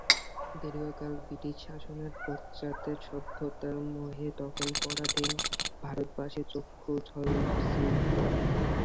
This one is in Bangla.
দীর্ঘকাল ব্রিটিশ শাসনে পাশ্চাত্য সভ্যতার মোহে তখন পরাধীন ভারতবাসীর চক্ষু ঝলসিত।